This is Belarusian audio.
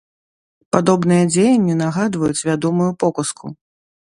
Падобныя дзеянні нагадваюць вядомую показку.